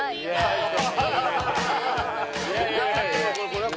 これは？